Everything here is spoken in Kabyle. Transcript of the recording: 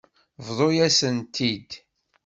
Bḍu-yasent-t-id.